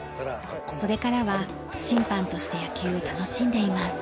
それからは審判として野球を楽しんでいます。